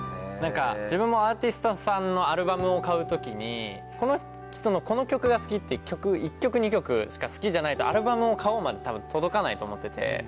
自分もアーティストさんのアルバムを買う時にこの人のこの曲が好きって曲１曲２曲しか好きじゃないとアルバムを買おうまで届かないと思ってて。